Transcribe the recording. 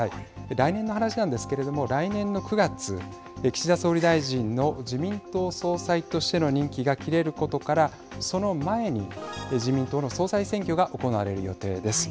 来年の話なんですけれど来年の９月岸田総理大臣の自民党総裁としての任期が切れることからその前に自民党の総裁選挙が行われる予定です。